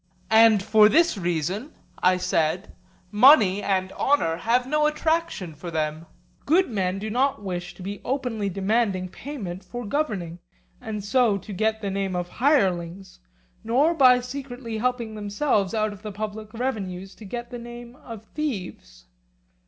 And for this reason, I said, money and honour have no attraction for them; good men do not wish to be openly demanding payment for governing and so to get the name of hirelings, nor by secretly helping themselves out of the public revenues to get the name of thieves.